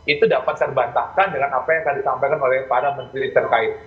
itu dapat saya bantahkan dengan apa yang akan disampaikan oleh para menteri terkait